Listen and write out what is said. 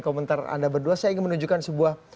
komentar anda berdua saya ingin menunjukkan sebuah